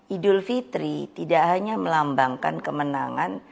idul fitri tidak hanya melambangkan kemenangan